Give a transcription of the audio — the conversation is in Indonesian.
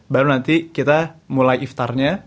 baru nanti kita mulai iftarnya